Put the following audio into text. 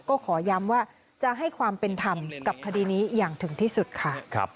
ก็ขอย้ำว่าจะให้ความเป็นธรรมกับคดีนี้อย่างถึงที่สุดค่ะ